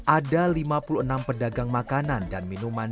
ada lima puluh enam pedagang makanan dan minuman